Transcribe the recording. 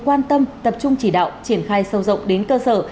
quan tâm tập trung chỉ đạo triển khai sâu rộng đến cơ sở